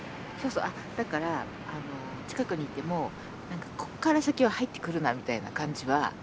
だから近くにいても何かこっから先は入ってくるなみたいな感じはありますね。